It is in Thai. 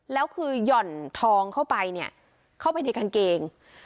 แล้วคือหย่อนทองเข้าไปเนี่ยเข้าไปในกางเกง